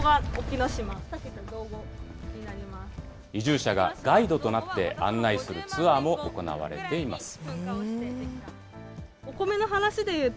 移住者がガイドとなって、案内するツアーも行われています。